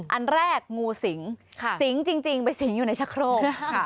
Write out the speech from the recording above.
อันแรกงูสิงสิงจริงไปสิงอยู่ในชะโครก